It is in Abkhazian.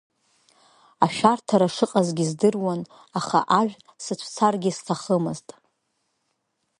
Ашәарҭара шыҟазгьы здыруан, аха ажә сыцәцаргьы сҭахымызт.